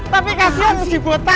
tapi kasihan sih bota